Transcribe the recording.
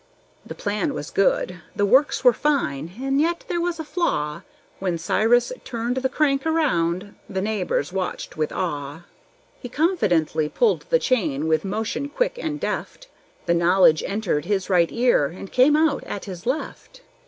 The plan was good, the works were fine, and yet there was a flaw; When Cyrus turned the crank around, the neighbors watched with awe. He confidently pulled the chain with motion quick and deft; The knowledge entered his right ear and came out at his left.